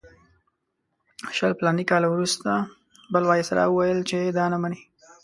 شل فلاني کاله وروسته بل وایسرا وویل چې دا نه مني.